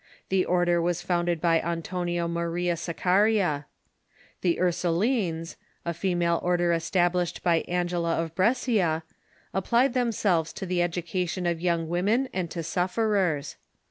The order was founded by Antonio Maria Saccaria. The Ursulines, a female order established by Angela of Bres cia, applied themselves to the education of young women and to sufferers.